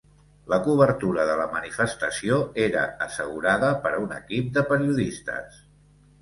La cobertura de la manifestació era assegurada per un equip de periodistes.